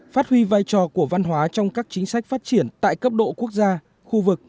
phát huy vai trò của văn hóa trong các chính sách phát triển tại cấp độ quốc gia khu vực